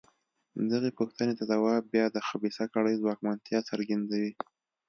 دغې پوښتنې ته ځواب بیا د خبیثه کړۍ ځواکمنتیا څرګندوي.